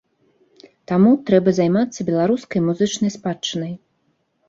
Таму трэба займацца беларускай музычнай спадчынай.